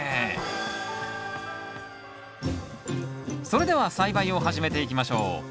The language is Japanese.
それでは栽培を始めていきましょう。